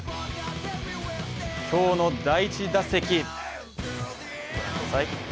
今日の第１打席。